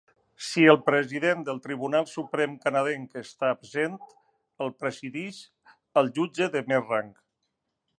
Si el president del Tribunal Suprem canadenc està absent, el presideix el jutge de més rang.